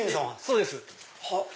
そうです。